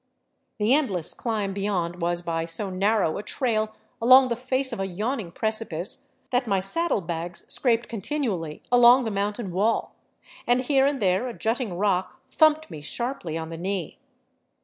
The endless climb beyond was by so narrow a trail along the face of a yawning precipice that my saddlebags scraped continually along the mountain wall, and here and there a jutting rock thumped me sharply on the knee.